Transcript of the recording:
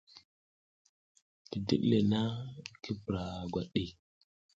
Ki diɗ le na, ki pura gwat ɗik !